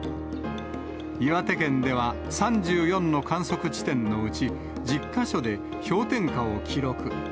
岩手県では３４の観測地点のうち、１０か所で氷点下を記録。